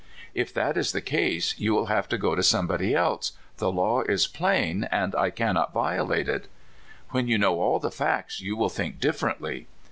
" If that is the case, you will have to go to some body else. The law is plain, and I cannot violate it." "When you know all the facts you will think differently."